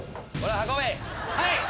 はい。